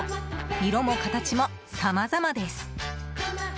色も形もさまざまです。